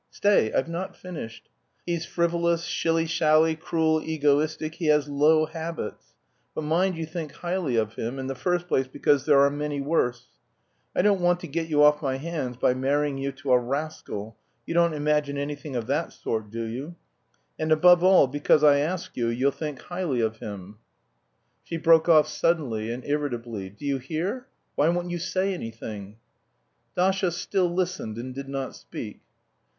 Stay, I've not finished. He's frivolous, shilly shally, cruel, egoistic, he has low habits. But mind you think highly of him, in the first place because there are many worse. I don't want to get you off my hands by marrying you to a rascal, you don't imagine anything of that sort, do you? And, above all, because I ask you, you'll think highly of him," She broke off suddenly and irritably. "Do you hear? Why won't you say something?" Dasha still listened and did not speak.